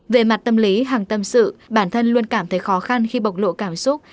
về mặt tâm lý hàng tâm sự bản thân luôn cảm thấy khó khăn khi bộc lộ cảm xúc